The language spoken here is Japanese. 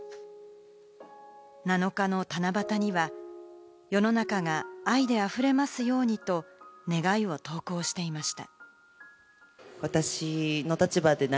７日の七夕には、「世の中が愛で溢れますように」と願いを投稿していました。